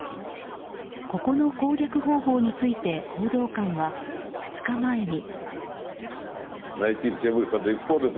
ここの攻略方法について報道官は２日前に。